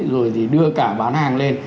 rồi thì đưa cả bán hàng lên